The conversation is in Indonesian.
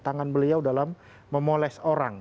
tangan beliau dalam memoles orang